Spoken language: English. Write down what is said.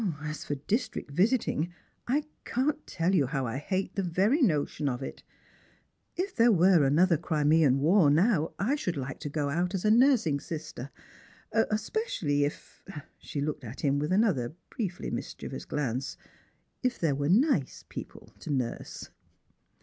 As for district visiting, I can't tell you how I hate the very notion of it. If there were another Crimean war now, I should like to go out as a nursing sister, especially if" — she looked at him with another briefly mischievous glance — "if there were nice people to nurse."